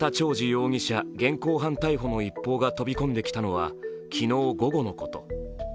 容疑者現行犯逮捕の一報が飛び込んできたのは昨日午後のこと。